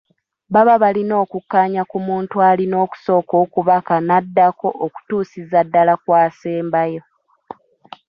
Baba balina okukkaanya ku muntu alina okusooka okubaka n’addako okutuusiza ddala ku asembayo.